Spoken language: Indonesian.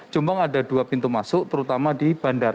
jombang ada dua pintu masuk terutama di bandara